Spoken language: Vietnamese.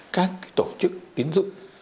các tổ chức tín dụng